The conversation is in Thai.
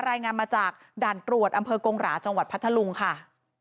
รายงานมาจากด่านตรวจอำเภอกงหราจังหวัดพัทธลุงค่ะ